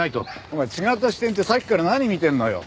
お前違った視点ってさっきから何見てんのよ？